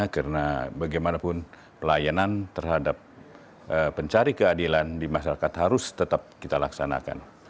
karena bagaimanapun pelayanan terhadap pencari keadilan di masyarakat harus tetap kita laksanakan